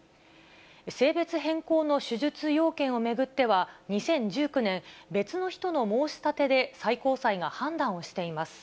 性別変更の手術要件を巡っては、２０１９年、別の人の申し立てで最高裁が判断をしています。